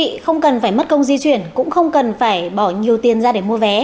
thưa quý không cần phải mất công di chuyển cũng không cần phải bỏ nhiều tiền ra để mua vé